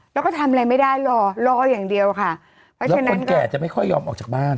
แล้วก็ทำอะไรไม่ได้รอรออย่างเดียวค่ะแล้วคนแก่จะไม่ค่อยยอมออกจากบ้าน